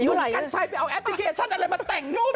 ดูกัตชัยไปการแอพพลิเคชันอันไหนมาแต่งนิ้ม